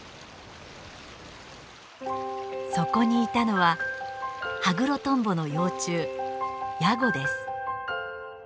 そこにいたのはハグロトンボの幼虫ヤゴです。